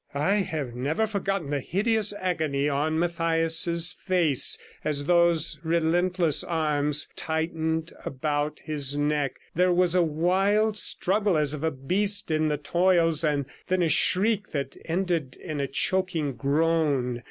I have never forgotten the hideous agony on Mathias's face as those relentless arms tightened about his neck; there was a wild struggle as of a beast in the toils, and then a shriek that ended in a choking groan.